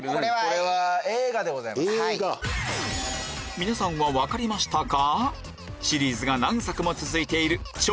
皆さんは分かりましたか？